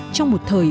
trong một thời